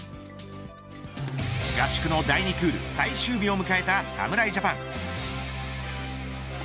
合宿の第２クール最終日を迎えた侍ジャパン。